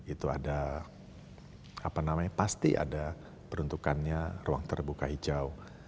itu ada apa namanya pasti ada peruntukannya ruang terbuka hijau